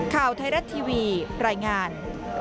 ข่าวไทยรัฐทีวีรายงาน